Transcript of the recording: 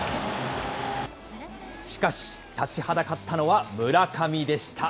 しかし、立ちはだかったのは村上でした。